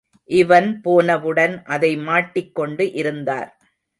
இவன் போனவுடன் அதை மாட்டிக் கொண்டு இருந்தார்.